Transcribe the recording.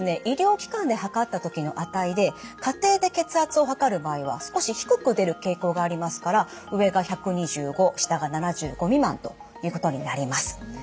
医療機関で測った時の値で家庭で血圧を測る場合は少し低く出る傾向がありますから上が１２５下が７５未満ということになります。